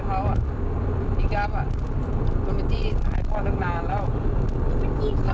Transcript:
เพราะว่าพี่กรัฟอ่ะมันไม่ได้หายข้อตั้งนานแล้ว